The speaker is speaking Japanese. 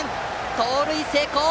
盗塁成功！